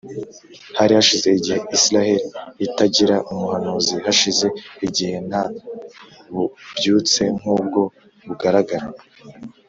Hari hashize igihe Isiraheli itagira umuhanuzi, hashize igihe nta bubyutse nk’ubwo bugaragara.